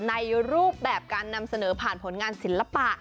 ในรูปแบบการนำเสนอผ่านผลงานศิลปะ